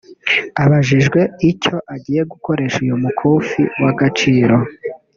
Abajijwe icyo agiye gukoresha uyu mukufi w’agaciro